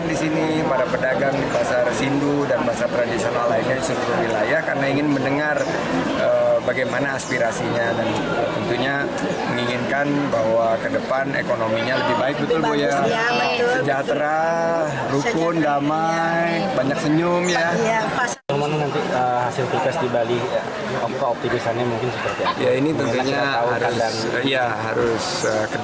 ini harus kerja keras